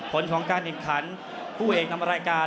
ผลของการิมคันผู้เอกทำรายการ